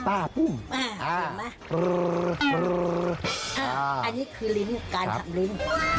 อันนี้คือการครับลิ้น